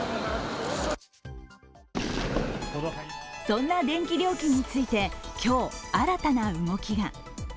そんな電気料金について今日、新たな動きが。